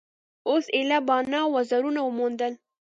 اوس ایله باڼه او وزرونه وموندل.